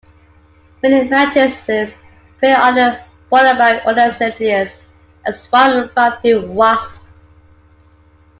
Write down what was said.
Many mantises prey on "Polybia occidentalis", a swarm founding wasp.